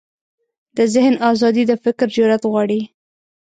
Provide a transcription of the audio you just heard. د ذهن ازادي د فکر جرئت غواړي.